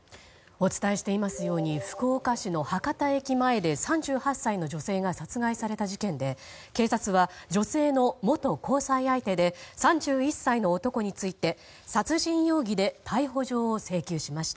お伝えしていますように福岡市の博多駅前で３８歳の女性が殺害された事件で警察は、女性の元交際相手で３１歳の男について殺人容疑で逮捕状を請求しました。